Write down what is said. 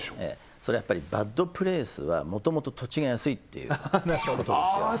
それはやっぱりバッドプレイスは元々土地が安いっていうことですよああ